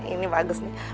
ini bagus nih